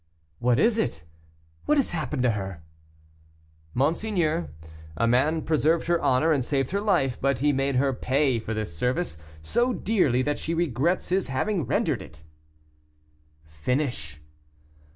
"What is it? what has happened to her?" "Monseigneur, a man preserved her honor and saved her life, but he made her pay for this service so dearly that she regrets his having rendered it." "Finish."